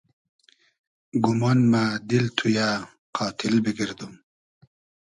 گومان مۂ دیل تو یۂ قاتیل بیگئردوم